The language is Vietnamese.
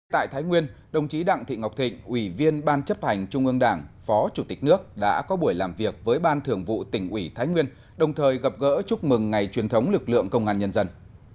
tại thái nguyên đồng chí đặng thị ngọc thịnh ủy viên ban chấp hành trung ương đảng phó chủ tịch nước đã có buổi làm việc với ban thường vụ tỉnh ủy thái nguyên đồng thời gặp gỡ chúc mừng ngày truyền thống lực lượng công an nhân dân